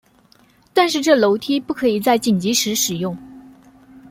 但是这楼梯不可以在紧急时使用。